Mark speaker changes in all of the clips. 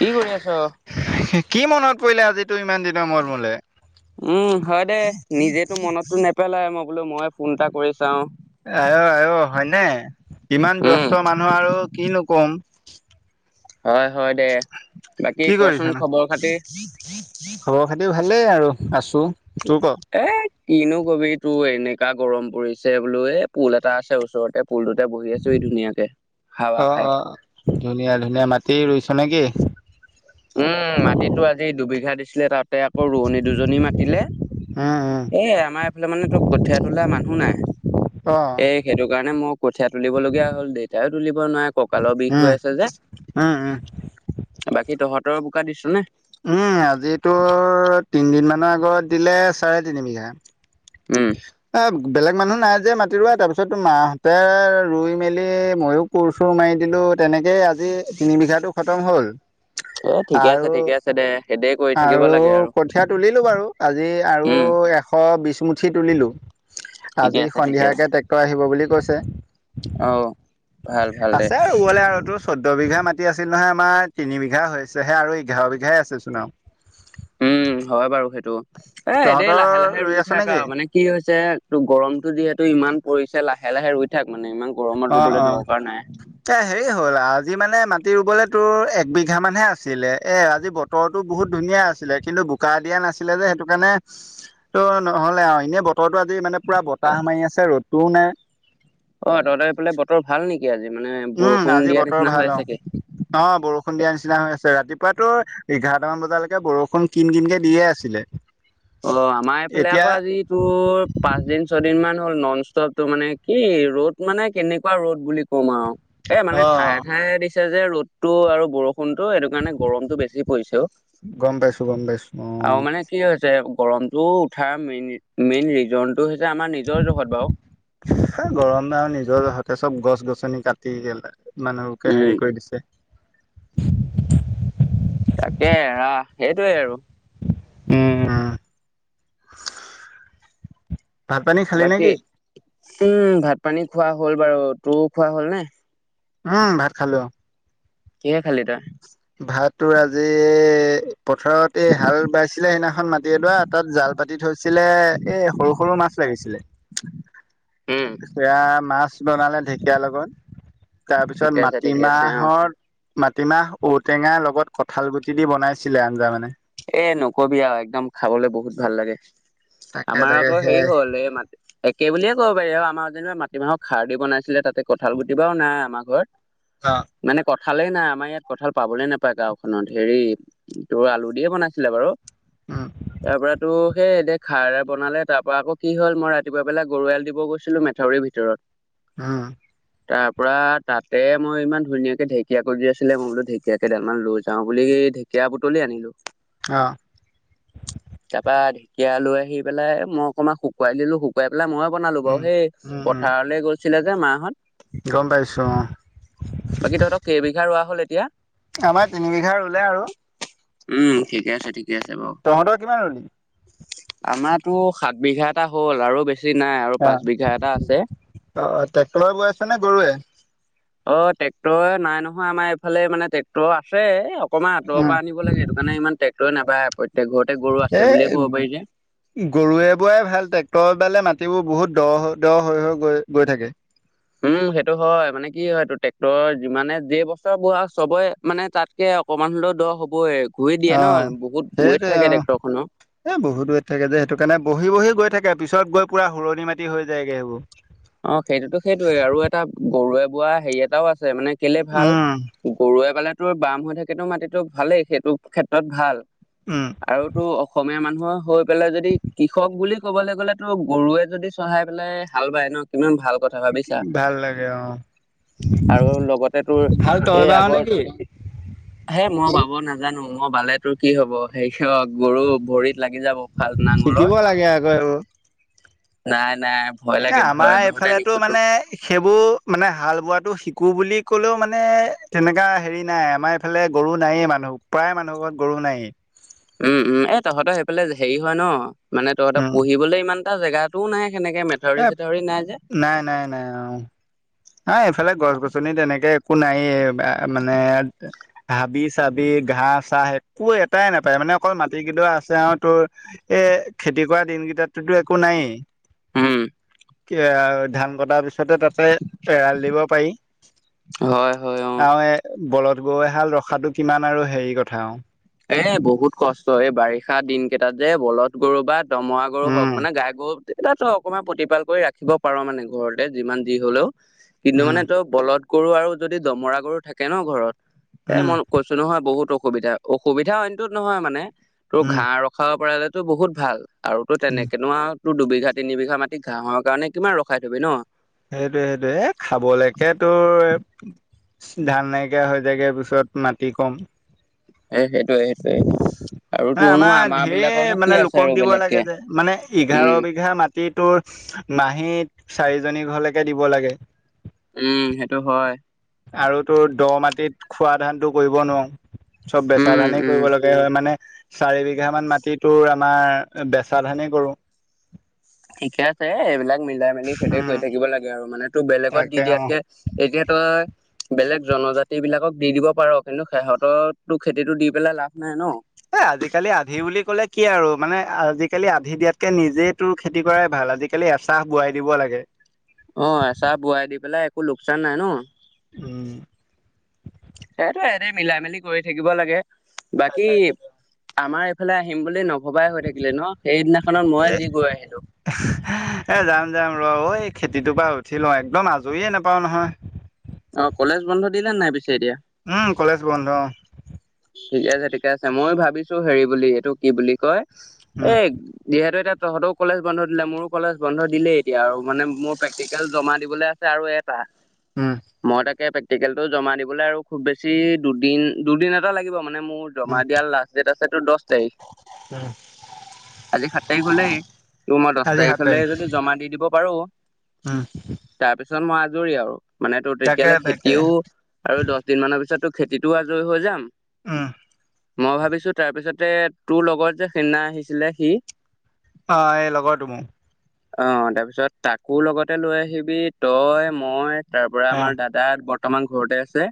Speaker 1: কি কৰি আছ?
Speaker 2: [unintelligible] কি মনত পৰিলে আজিতো ইমান দিনৰ মুৰত মোলে?
Speaker 1: উম হয় দে। নিজেতো মনততো নেপেলাৱয়ে মই বোলো ময়ে ফোন এটা কৰি চাওঁ।
Speaker 2: আই অ' আই অ' হয়নে? ইমান
Speaker 1: উম
Speaker 2: ব্যস্ত মানুহ আৰু কিনো কম।
Speaker 1: হয় হয় দে। বাকী
Speaker 2: কি
Speaker 1: কচোন
Speaker 2: কৰিছনো?
Speaker 1: খবৰ খাতি?
Speaker 2: খবৰ খাতি ভালেই আৰু আছোঁ। তোৰ ক?
Speaker 1: এ, কিনো কবি তোৰ এনেকা গৰম পৰিছে বোলো এ, পুল এটা আছে ওচৰতে পুলটোতে বহি আছোহি ধুনীয়াকে,
Speaker 2: অ
Speaker 1: হাৱা
Speaker 2: অ
Speaker 1: খাই।
Speaker 2: ধুনীয়া ধুনীয়া। মাটি ৰুইছ নে কি?
Speaker 1: উম, মাটি তো আজি দুবিঘা দিছিলে তাতে আকৌ ৰোৱনী দুজনী মাতিলে।
Speaker 2: উম উম
Speaker 1: এ, আমাৰ এইফালে মানে তো কঠীয়া তোলা মানুহ নাই।
Speaker 2: অ
Speaker 1: এ সেইটো কাৰণে মই কঠীয়া তুলিবলগীয়া হ'ল দেউতাইও তুলিব নোৱাৰে কঁকালৰ বিষ
Speaker 2: উম
Speaker 1: হৈ আছে যে।
Speaker 2: উম, উ।
Speaker 1: কি তহঁতৰ বোকা দিছো নে?
Speaker 2: উম, আজিতো তিনিদিন মানৰ আগত দিলে চাৰে তিনি বিঘা।
Speaker 1: উম।
Speaker 2: এ বেলেগ মানুহ নাই যে মাতি ৰুৱা তাৰপিছতো মাহঁতে ৰুই মেলি মইও কোৰ চুৰ মাৰি দিলো তেনেকেই আজি তিনি বিঘাতো খতম হ'ল।
Speaker 1: [unintelligible] আছে
Speaker 2: আৰু,
Speaker 1: ঠিকে আছে দে সেইদে কৰি থাকিব
Speaker 2: আৰু
Speaker 1: লাগে
Speaker 2: কঠিয় তুলিলো বাৰু আজি আৰু
Speaker 1: উম
Speaker 2: এ শ বিচ্ছ মুুঠি তুলিলো।
Speaker 1: ঠিকে
Speaker 2: আজি
Speaker 1: আছে ঠিকে আছে
Speaker 2: সন্ধিয়াকে ট্ৰেক্টৰ আহিব বুলি কৈছে।
Speaker 1: অ ভাল ভাল দে
Speaker 2: আছে আৰু ৰুৱলে আৰু তোৰ চৈধ্য বিঘা মাটি আছিল নহয় আমাৰ তিনি বিঘা হৈছেহে আৰু এঘাৰ বিঘাহ আছে চোন আৰু।
Speaker 1: উম, হয় বাৰু সেইটো এদেই
Speaker 2: তহঁতৰ
Speaker 1: লাহে লাহে ৰুই
Speaker 2: আছ
Speaker 1: থাক
Speaker 2: নেকি?
Speaker 1: আৰু মানে কি হৈছে তটো গৰমতো যিহেতু ইমান পৰিছে লাহে লাহে ৰুই থাক মানে ইমান গৰমত
Speaker 2: অ অ
Speaker 1: ৰুবলৈ দৰকাৰ নাই।
Speaker 2: এ হেৰি হ'ল আজি মানে মাটি ৰুবলৈ তোৰ এক বিঘা মানহে আছিলে এ আজি বতৰ তৰটো বহুত ধুনীয়া আছিলে কিন্তু বোকা দিয়া নাছিলে যে সেইটো কাৰণে, ত নহ'লে আহ এনেই বতৰৰতো আজি মানে পুৰা বতাহ মাৰি আছে ৰ'দতোও নাই।
Speaker 1: অ' তহঁতৰ হে ফালে বতৰ ভাল নেকি আজি মানে
Speaker 2: উম
Speaker 1: বৰষুণ
Speaker 2: আজি
Speaker 1: দিয়া
Speaker 2: বতৰ
Speaker 1: নিচিনা
Speaker 2: ভাল
Speaker 1: হৈ
Speaker 2: অ
Speaker 1: আছোগে?
Speaker 2: অ, বৰষুণ দিয়া নিচিনা হৈ আছে ৰাতিপুৱাতো এঘাৰটামান বজালৈকে বৰষুণ কিন কিনকে দিয়ে আছিলে।
Speaker 1: অ, আমাৰ এইফালে
Speaker 2: এতিয়া
Speaker 1: আকৌ আজি ত পাঁচ দিন ছয়দিন মান হ'ল নন ষ্টপ তটো মানে কি ৰ'দ মানে কেনেকুৱা ৰ'দ বুলি ক কম আৰু এ
Speaker 2: অ
Speaker 1: মানে ঠায়ে ঠায়ে দি ছে যে ৰ'দতটো আৰু বৰষুণতটো এইেইটো কাৰণে গৰমতটো বেছি পৰিছে অ',
Speaker 2: গম পাইছোঁ গম পাইছোঁ অ,
Speaker 1: গৰমতটো উঠাৰ মেইন মেইন ৰিজন টো হৈছে আমাৰ নিজৰ জগত বাৰু।
Speaker 2: গৰমে আৰু নিজৰাজহতে চব গছ গছনি কাটি মানুহোকে
Speaker 1: উম
Speaker 2: হেৰি কৰি দিছে।
Speaker 1: তাকে এৰা সেইটয়ে আৰু।
Speaker 2: উম, ভাত পানী খালি
Speaker 1: বাকী
Speaker 2: নেকি?
Speaker 1: উম, ভাত পানী খোৱা হ'ল বাৰু তোৰ খোৱা হ'ল নে?
Speaker 2: উম, ভাত খালোঁ।
Speaker 1: কিহে খালি তই?
Speaker 2: ভাত তোৰ আজি পথাৰত এই হাল বাইছিলে সেইদিনাখন মাটি এডৰাত, তাত জাল পাতি থৈছিলে এ সৰু সৰু মাছ লাগিছিলে,
Speaker 1: [inaudible] উম
Speaker 2: সেয়া মাছ বনালে ঢেকীয়াৰ লগত,
Speaker 1: ঠিকে
Speaker 2: তাৰপিছত
Speaker 1: আছে ঠিকে আছে অ
Speaker 2: মাটিমাহৰ মাটিমাহ ঔটেঙাৰ লগত কঁঠাল গুটি দি বনাইছিলে আঞ্জা মানে।
Speaker 1: এ নকবি আৰু একদম খাবলৈ বহুত ভাল লাগে।
Speaker 2: তাকে
Speaker 1: আমাৰ
Speaker 2: তাকে
Speaker 1: আকৌ হেৰি
Speaker 2: সেয়াই
Speaker 1: হ'ল এই মা একে বুলিয়ে ক'ব পাৰি আৰু আমাৰ যেনিবা মাটিমাহৰ খাৰ দি বনাইছিলে তাতে কঁঠাল গুটি বাও নাই আমাৰ ঘৰত।
Speaker 2: অ,
Speaker 1: মানে কঠালে নাই আমাৰ ইয়াত কঠাল পাবলে নাপায় গাঁওখননত হেৰি তোৰ আলু দিয়ে বনাইছিলে বাৰু।
Speaker 2: উম
Speaker 1: তাৰ পৰা তোৰ এ দে খাৰ এ বনাল তাৰ পৰা আকৌ কি হল মই ৰাতিপুৱা পেলাই গৰু এৰাল দিব গৈছিলো মেথাউৰ ভিতৰত, [unintelligible]
Speaker 2: উম,
Speaker 1: তাৰ পৰা তাতে মই ইমান ধুনীয়াকে ঢেকীয়া গজি আছিলে মই বোলো ঢেঁক কিয়া কেইডালমান লৈ যাওঁ বুলি ঢেকীয়া বুটি আনিলোঁ।
Speaker 2: অ,
Speaker 1: তাৰ পা ঢেঁকীয়া লৈ আহি পেলাই মই অকণমান শুকুৱাই দিলো শুকুৱাই পেলাই ময় বনালো
Speaker 2: উম
Speaker 1: বাৰু সেই
Speaker 2: উম
Speaker 1: প
Speaker 2: উম
Speaker 1: থাৰলৈ গৈছিলে যে মাহত
Speaker 2: গম পাইছো অ
Speaker 1: বাকী তহঁতৰ কেইবিঘা ৰোৱা হ'ল এতিয়া?
Speaker 2: আমাৰ তিনি বিঘাৰ ৰুলে আৰু
Speaker 1: উম ঠিকে, আছে ঠিকে আছে বাৰু।
Speaker 2: তহঁতৰ কিমান ৰুলি?
Speaker 1: আমাতো সাত বিঘা এটা হ'ল আৰু বেছি নাই আৰু
Speaker 2: অ
Speaker 1: পাঁচ বিঘা এটা আছে।
Speaker 2: অ', ট্ৰেক্টৰৰে বৈয়াছা নে গৰুৱে।
Speaker 1: অ', ট্ৰেক্টৰ নাই নহয় আমাৰ এইফালে মানে ট্ৰেক্টৰ আছে অকনমান আঁতৰৰ
Speaker 2: উম
Speaker 1: পৰা আনিব লাগে এইটো। মানে ইমান ট্ৰেক্টৰে নাপায় প্ৰত্যেক ঘৰতে গৰু আছে
Speaker 2: এই
Speaker 1: বুলিয় ক'ব পাৰি যে।
Speaker 2: গৰুৱে বোৱাই ভাল ট্ৰেক্টৰবালে মাটিবোৰ বহুত দ, দ হৈ, হৈ গৈ, গৈ থাকে।
Speaker 1: উম, সেইটো হয় মানে কি হয় এইটো ট্ৰেক্টৰৰ যিমানে যে বছৰ বোৱা চবৰে মানে তাত তে অকমান হলেও দ হব গুৰি দিয়ে
Speaker 2: অ
Speaker 1: ন বহুত ৱেট
Speaker 2: সেইটোৱে অ
Speaker 1: থাকে ট্ৰেক্টৰ খনৰ।
Speaker 2: এ বহুত ৱেট থাকে যে সেইটো কাৰণে বহি বহি গৈ থাকে পিছত গৈ পুৰা সুৰণি মাটি হৈ যায়গৈ সেইবোৰ।
Speaker 1: অ', সেইটোতো সেইটোয়ে আৰু এটা গৰুৱে বোৱা হেৰি এটাও আছে মানে কেলে ভাল
Speaker 2: উম
Speaker 1: গৰুৱে পালে তো বাম হৈ থাকেতো মাটিতটো ভালেই সেইটো ক্ষেত্ৰত ভাল।
Speaker 2: উম।
Speaker 1: আৰু তো অসমীয়া মানুহৰ হৈ পেলাই যদি কৃষক বুলি ক'বলৈ গ'লে তো গৰুৱে যদি চহাই পেলাই হাল বাই ন কিমান ভাল কথা ভাবিছা
Speaker 2: ভাল লাগে অ'।
Speaker 1: আৰু লগতে তোৰ
Speaker 2: ভাল তই
Speaker 1: এই
Speaker 2: বাও নেকি?
Speaker 1: আগত হে মই বাব নাজানো মই বালে তো কি হ'ব হব সেয়ত গৰু ভৰিত লাগি যাব। ভাল নাঙলৰ
Speaker 2: শিকিব লাগে আকৌ এইবোৰ।
Speaker 1: নাই, নাই ভয়
Speaker 2: এ
Speaker 1: লাগে। ভয়
Speaker 2: আমাৰ
Speaker 1: যহতে
Speaker 2: এইফালেতো
Speaker 1: নিশিকো
Speaker 2: মানে সেইবোৰ মানে হাল বোৱাটো শিকো বুলি ক'লেও মানে তেনেকা হেৰি নাই আমাৰ ইফালে গৰু নায়েই মানুহক প্ৰায় মানুহকত গৰু নায়েই।
Speaker 1: উম', উম' এ তহঁতৰ সেইফালে হেৰি হয় ন' মানে তহঁতৰ
Speaker 2: উম,
Speaker 1: পুহিবলৈ ইমান এটা জেগাতও ন সেনেকে মেথৰি
Speaker 2: এ
Speaker 1: চেথৰি নাই যে
Speaker 2: নাই, নাই, নাই অ'। এই এইফালে গছ গছনি তেনেকে একো নাইে মানে হাবি চাবি ঘাঁ চাহ একো এটাই নাপায় মানে অকল মাটি কেইডৰ আছে আৰু তোৰ এ খেতি কৰা দিন কেইটাতোতো একো নায়েই।
Speaker 1: উম,
Speaker 2: ধান কটাৰ পিছতে তাতে এৰাল দিব পাৰি।
Speaker 1: হয়, হয়, অ',
Speaker 2: আৰু এ বলধ গৈ হাল ৰখাতটো কিমান আৰু হেৰি কথা অ'।
Speaker 1: এই বহুত কষ্ট এই বাৰিষা দিন কেইটাত যে বলধ গৰু বা দমৰা গৰু হওক
Speaker 2: উম
Speaker 1: মানে গাই গৰু তই অকণমান প্ৰতিপাল কৰি ৰাখিব পাৰ মানে ঘৰতে যিমান যি হলেও কিন্তু
Speaker 2: উম
Speaker 1: মানে তই বলদ গৰু আৰু যদি দমৰা গৰু থাকে ন' ঘৰত এই
Speaker 2: উম
Speaker 1: মই কৈছো নহয় বহুত অসুবিধা। অসুবিধা অইনটোত নহয় মানে তোৰ
Speaker 2: উম
Speaker 1: ঘাঁ ৰখাব পাৰলে তো বহুত ভাল। আৰু তো
Speaker 2: উম
Speaker 1: তেনেকেনো আৰু ত দুবিঘা তিন বিঘা মাটি ঘাঁহৰ কাৰণে কিমান ৰখাই থবি ন।
Speaker 2: সেইটোয়ে সেইটোয়ে খাবলৈকে তোৰ ধান নাইকিয়া হৈ যায়গে পিছত মাটি কম
Speaker 1: এই সেইটোৱে সেইটোৱে।
Speaker 2: মানে আমাৰ ঢেৰ মানে
Speaker 1: আৰু
Speaker 2: লোকক দিব
Speaker 1: বেলেগকে
Speaker 2: লাগে যে মানে এঘাৰ
Speaker 1: উম
Speaker 2: বিঘা মাটি টিটো নাহীত চাৰিজনী ঘৰলৈকে দিব লাগে।
Speaker 1: উম, সেইটো হয়।
Speaker 2: আৰু তো দ মাটিত খোৱা ধানতটো কৰিব নোৱাৰো চব বেচা
Speaker 1: উম
Speaker 2: ধানেই
Speaker 1: উম
Speaker 2: কৰিব লাগে মানে চাৰি বিঘা মান মাটি তোৰ আমাৰ বেচা ধানেই কৰো।
Speaker 1: ঠিকে আছে এইবিলাক মিলাই মেলি সিহতে
Speaker 2: উম
Speaker 1: কৈ থাকিব লাগে আৰু মানে তোৰ বেলেগত
Speaker 2: তাকে
Speaker 1: দি
Speaker 2: অ
Speaker 1: দিয়াতকে এতিয়া তই বেলেগ জনজাতি বিলাকক দি দিব পাৰ কিন্তু সেহঁতৰো খেতিতটো দি পেলাই লাভ নাই ন।
Speaker 2: এ আজিকালি আধি বুলি কলে কি আৰু মানে আজিকালি আধি দিয়াতকে নিজে তোৰ খেতি কৰাই ভাল আজিকালি এচাহ বোৱাই দিব লাগে।
Speaker 1: অ, এচাহ বোৱাই দি পেলাই একো লোকচান নাই ন।
Speaker 2: উম,
Speaker 1: সেইটো এদ মিলাই মেলি কৰি থাকিব লাগে বাকী আমাৰ এইফালে আহিম বুলি নভবাই হৈ থাকিলে ন সেইদিনাখনত মই যি গৈ আহিলো।
Speaker 2: এ যাম যাম ৰ ঐ খেতিটোৰ পৰা উঠি লওঁ একদম আজৰিয়ে নোপাও নহয়।
Speaker 1: অ, কলেজ বন্ধ দিলে নাই পিছে এতিয়া?
Speaker 2: উম, কলেজ বন্ধ।
Speaker 1: ঠিকে আছে ঠিকে আছে মই ভাবিছো হেৰি বুলি এইটো কি বুলি কয়
Speaker 2: উম
Speaker 1: এই যিহেতু এটা তহঁতেও কলেজ বন্ধ দিলে মোৰো কলেজ বন্ধ দিলেই এতিয়া আৰু মানে মোৰ প্ৰেক্টিকেল জমা দিবলৈ আছে আৰু ইয়াত
Speaker 2: উম
Speaker 1: মই তাকে প্ৰেক্টিকেলটো জমা দিবলৈ আৰু খুব বেছি দুদিন দুদিন এটা লাগিব মানে মোৰ জমা
Speaker 2: উম
Speaker 1: দিয়াৰ লাষ্ট ডেট আছে তটো দহ তাৰিখ।
Speaker 2: উম
Speaker 1: আজি সাত তাৰিখ হলেই ত' মই দহ
Speaker 2: আজি
Speaker 1: তাৰিখ
Speaker 2: সাত
Speaker 1: হলে যদি জমা দি দিব পাৰো।
Speaker 2: উম,
Speaker 1: তাৰপিছত মই আজৰি আৰু মানে তো
Speaker 2: তাকে
Speaker 1: তেতিয়াললে
Speaker 2: তাকে
Speaker 1: খেতিও আৰু দহ দিন মানৰ পিছতো খেতিতো আজৰি হৈ যাম।
Speaker 2: উম,
Speaker 1: মই ভাবিছো তাৰ পিছতে তোৰ লগত যে সেইনা আহিছিলে সি
Speaker 2: অ, এই লগৰতো মোৰ।
Speaker 1: অ, তাৰপিছত তাকো লগতে লৈ আহিবি তই মই তাৰ পৰা
Speaker 2: অ'
Speaker 1: আমাৰ দাদা। তাত বৰ্তমান ঘৰতে আছে।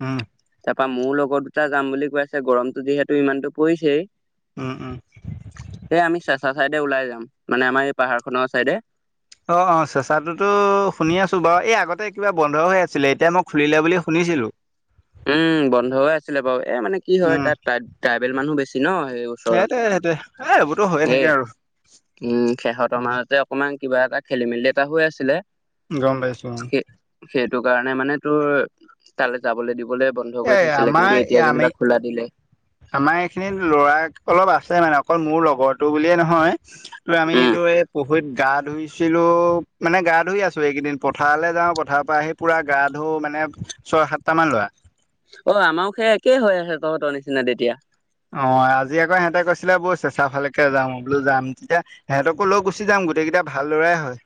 Speaker 2: উম,
Speaker 1: তাৰপা মোৰ লগৰ দুটা যাম বুলি কৈ আছে গৰমতো যিহেতু ইমানতো পৰিছেই।
Speaker 2: উম, উম,
Speaker 1: এই আমি চেঁচা চাইদে ওলাই যাম মানে আমাৰ এই পাহাৰখনৰ চাইদে।
Speaker 2: অ, অ, চেঁচাটোতো শুনি আছো বাৰু এই আগতে কিবা বন্ধ হৈ আছিলে এতিয়া মই খুলিলে বুলি শুনিছিলো।
Speaker 1: উম, বন্ধ হৈ আছিলে বাৰু এ মানে কি হয়
Speaker 2: উম
Speaker 1: তাত ট্ৰাইবেল মানুহ বেছি ন। ওচৰত,
Speaker 2: সেইটোৱে সেইটোৱে এ এইবোৰতো হৈয়ে
Speaker 1: এ,
Speaker 2: থাকে আৰু
Speaker 1: উম, সিহঁতৰ
Speaker 2: উম
Speaker 1: মাজতে। অকমান কিবা এটা খেলি মেলি এটা হৈ আছিলে।
Speaker 2: গম পাইছো উম,
Speaker 1: সেই সেইটো কাৰণে মানে তোৰ তালৈ যাবলৈ দিবলৈ বন্ধ। বন্ধ
Speaker 2: এ
Speaker 1: কৰি থৈছিলে
Speaker 2: আমাৰ
Speaker 1: কিন্তু
Speaker 2: এই
Speaker 1: এতিয়া
Speaker 2: আমি
Speaker 1: যেনিবা খোলা দিলে।
Speaker 2: আমাৰ এইখিনিত ল'ৰা অলপ আছে মানে অকল মোৰ লগৰটো বুলিয়ে নহয়। আমি
Speaker 1: উম
Speaker 2: এইটো এই। পুখুৰীত গা ধুইছিলো মানে গা ধুই আছো এইকেইদিন পথাৰলৈ যাওঁ পথাৰৰ পৰা আহি। পোৰা গা ধো মানে ছয় সাতটামান ল'ৰা।
Speaker 1: অ, আমাৰো সেই একেই হৈ আছে তহঁতৰ নিচিনা তেতিয়া।
Speaker 2: অ, আজি আকৌ সিহঁতে কৈছিলে বৈই চেঁচা ফালেকে যাও যাম বোলো যাম তেতিয়া। সিহঁতকো লৈ গুচি যাম গোটেইকেইটা ভাল লৰাই হয়।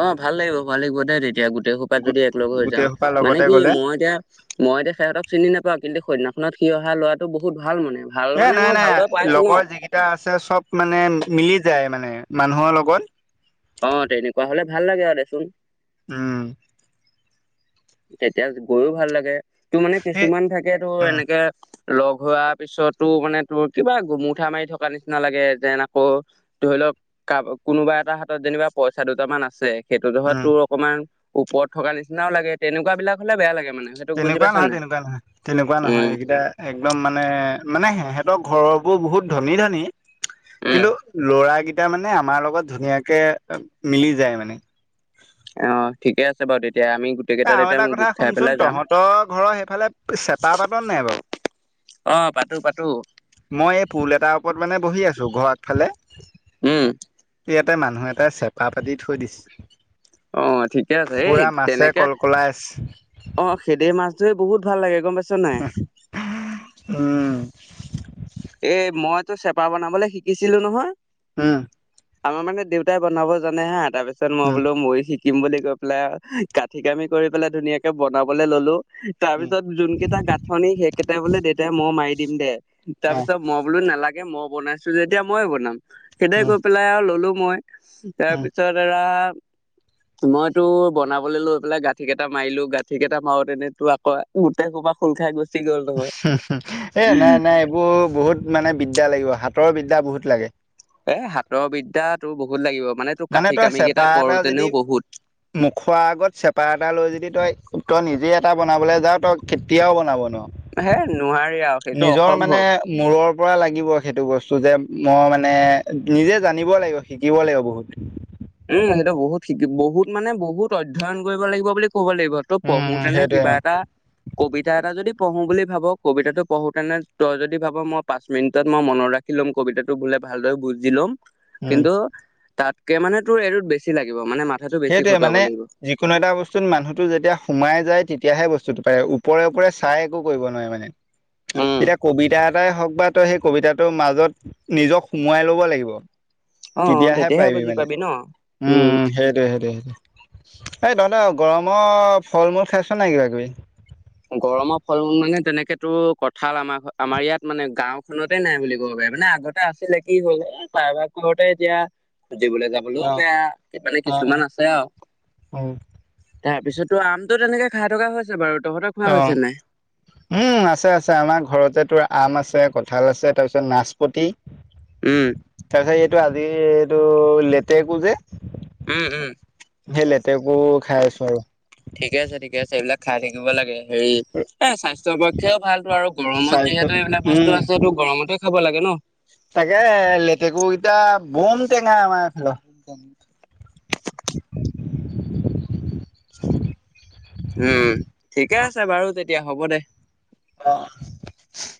Speaker 1: অ, ভাল লাগিব ভাল লাগিব দে তেতিয়া গোটেই সোপা
Speaker 2: গো
Speaker 1: যদি একলগ হৈ
Speaker 2: গোটেই
Speaker 1: যাওঁ
Speaker 2: সোপা
Speaker 1: মানে
Speaker 2: লগতে
Speaker 1: কি
Speaker 2: গ'লে
Speaker 1: মই এতিয়া। মই এতিয়াসিহঁতক চিনি নাপাওঁ কিন্তু সেইদিনাখনত সি অহা ল'ৰাটো বহুত ভাল মানে। ভাল
Speaker 2: এ,
Speaker 1: মানে
Speaker 2: নাই
Speaker 1: মই
Speaker 2: নাই
Speaker 1: ভালদৰে পাইছো ন
Speaker 2: লগৰ যিকেইটা আছে চব মানে মিলি যায় মানে মানুহৰ লগত।
Speaker 1: অ, তেনেকুৱা হলে ভাল লাগে আৰু দেচোন।
Speaker 2: উম,
Speaker 1: তেতিয়া গৈও ভাল লাগে তোৰ মানে
Speaker 2: এ
Speaker 1: কিছুমান থাকে তো
Speaker 2: উম
Speaker 1: এনেকে। লগ হোৱা পিছতো মানে তোৰ কিবা গুমুঠা মাৰি থকা নিচিনা লাগে যেন আকৌ। ধৰি লওক কাবা কোনোবা এটা হাতত যেনিবা পইচা দুটামান আছে। সেইটোতো
Speaker 2: উম
Speaker 1: তোৰ অকণমান ওপৰত থকা নিচিনাও লাগে তেনেকুৱা বিলাক হ'লে বেয়া লাগে মানে। সেইটোক বুজি
Speaker 2: তেনেকুৱা
Speaker 1: পাইছ
Speaker 2: নহয়,
Speaker 1: নাই
Speaker 2: তেনেকুৱা নহয়, তেনেকুৱা নহয়,
Speaker 1: উম
Speaker 2: এইকেইটা। একদম মানে মানে সিহঁতৰ ঘৰ বোৰ বহুত ধনী ধনী।
Speaker 1: উম
Speaker 2: কিন্তু ল'ৰাকিটা মানে আমাৰ লগত ধুনীয়াকে মিলি যায় মানে।
Speaker 1: অ, ঠিকে আছে বাৰু তেতিয়া আমি গো
Speaker 2: এ আৰু এটা কথা শুনচোন তহঁতৰ ঘৰৰ সেইফালে চেপা পাত নাই বাৰু?
Speaker 1: অ, পাতো পাতো।
Speaker 2: মই এই পুল এটাৰ ওপৰত মানে বহি আছো ঘৰ আগফালে।
Speaker 1: উম,
Speaker 2: ইয়াতে মানুহ এটা চেপা পাতি থৈ দিছে।
Speaker 1: অ ঠিকে আছে এই
Speaker 2: পুৰা মাছে
Speaker 1: তেনেকে
Speaker 2: কলকলাই আছে।
Speaker 1: অ খেদৰ মাছ ধৰি বহুত ভাল লাগে গম পাইছনে?
Speaker 2: উম,
Speaker 1: এ মই তোৰ চেপা বনাবলৈ শিকিছিলো নহয়,
Speaker 2: উম,
Speaker 1: আমাৰ মানে দেউতাই বনাব জানে হা তাৰ পিছত মই
Speaker 2: উম
Speaker 1: বোলো মইও শিকো, শিকিম বুলি কৈ পেলাই কাঠি কামি কৰি পেলাই ধুনীয়াকে বনাবলৈ ললো,
Speaker 2: উম
Speaker 1: তাৰপিছত যোন কেইটা গাঁঠনি সেইকেইটা বোলে দেউতাই ময় মাৰি দিম দে, তাৰ
Speaker 2: অ
Speaker 1: পিছত মই বোলো নালাগে মই বনাইছোঁ যেতিয়া মই বনাম সেইটোৱেই
Speaker 2: উম
Speaker 1: কৈ পেলাই আৰু ললো মই,
Speaker 2: উম
Speaker 1: তাৰপিছত এৰা, মইতো বনাবলৈ লৈ পেলাই গাঁঠি কেইটা মাৰিলো গাঁঠি কেইটা মাৰোতেনেই তোৰ আকৌ গোট খোপা খোন খাই গুচি গ'ল নহয়।
Speaker 2: এ নাই নাই এইবোৰ বহুত মানে বিদ্যা লাগিব হাতৰ বিদ্যা বহুত লাগে।
Speaker 1: এ' হাতৰ বিদ্যা তোৰ বহুত লাগিব মানে তোৰ কাঠি-কামি কেইটা কৰোতেনেও বহুত।
Speaker 2: মোখোৱাৰ আগত চেপা এটা লৈ যদি তই উ তই নিজেই এটা বনাবলৈ যাওঁ তই কেতিয়াও বনাব নোৱাৰ।
Speaker 1: হে নোৱাৰি আৰু। সেইটো
Speaker 2: নিজৰ মানে
Speaker 1: অসম্ভৱ
Speaker 2: মূৰৰ পৰা লাগিব সেইটো বস্তু যে মই মানে নিজে জানিব লাগিব শিকিব লাগিব বহুত।
Speaker 1: উম, সেইটো বহুত শি বহুত মানে বহুত অধ্যায়ন কৰিব লাগিব বুলি ক'ব লাগিব। ত
Speaker 2: উম
Speaker 1: পঢ়োতেনে
Speaker 2: সেইটোৱে
Speaker 1: কিবা এটা কবিতা এটা যদি পঢ়োঁ বুলি ভাব কবিতাটো পঢ়োঁতেনে তই যদি ভাব মই পাঁচ মিনিটত মই মনত ৰাখিম লিখি ল'ম কবিতাটো বোলে ভালদৰে বুজি ল'ম,
Speaker 2: উম
Speaker 1: কিন্তু তাতকে মানে তোৰ এইটোত বেছি লাগিব মানে মাত
Speaker 2: সেইটোৱে মানে কোনো এটা বস্তুত মানুহটো যেতিয়া সোমাই যায় তেতিয়াহে বস্তুটো পাৰে ওপৰে ওপৰে চাই একো কৰিব নোৱাৰে মানে।
Speaker 1: উম
Speaker 2: এতিয়া কবিতাৰ কবিতাই হওক বা তই সেই কবিতাৰ মাজত নিজক সোমোৱাই ল'ব লাগিব।
Speaker 1: অ
Speaker 2: তেতিয়াহে পাৰিবি
Speaker 1: বুজি
Speaker 2: মানে।
Speaker 1: পাবি ন
Speaker 2: উম, সেই [inaudible] এই তহঁত গৰমৰ ফল-মূল খাইছ নাই কিবা কিবি?
Speaker 1: গৰমৰ ফল-মূল মানে তেনেকেতো কঁঠাল আমাৰ আমাৰ ইয়াত মানে গাওখনতেই নাই বুলি ক'ব পাৰি মানে আগত আছিলে কি হ'ল এাইবাৰ কোহতে এতিয়া সুজিবলৈ যাও
Speaker 2: অ
Speaker 1: হ'লেও বেয়া মানে
Speaker 2: অ অ
Speaker 1: কিছুমান আছে আৰু।
Speaker 2: উম
Speaker 1: তাৰপিছতো আমটো তেনেকে খাই থকা হৈছে বাৰু তহঁতক
Speaker 2: অ', উম, আছে আছে আমাৰ ঘৰতে তোৰ আম আছে, কঁঠাল আছে তাৰপিছত নাচপতি
Speaker 1: উম,
Speaker 2: তাৰ পিছত এইটো আজি এইটো লেতেকো যে,
Speaker 1: উম উম
Speaker 2: সেই লেতেকো খাই আছোঁ আৰু।
Speaker 1: ঠিকে আছে ঠিকে আছে এইবিলাক খাই থাকিব লাগে হেৰি এই স্বাস্থ্যৰ পক্ষেও ভালতো আৰু গৰমত
Speaker 2: চাইজ
Speaker 1: যিহেতু এইবিলাক
Speaker 2: উম
Speaker 1: বস্তু আছে তো গৰমতে খাব লাগে ন।
Speaker 2: তাকে লেতেকু কেইটা বম টেঙা আমাৰ। এইফালৰ।
Speaker 1: [inaudible] উম' ঠিকে আছে বাৰু তেতিয়া হ'ব দে।
Speaker 2: বা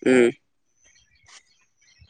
Speaker 1: উম,